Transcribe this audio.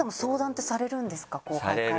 後輩から。